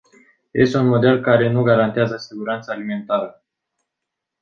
Este un model care nu garantează siguranța alimentară.